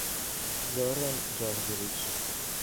Zoran Đorđević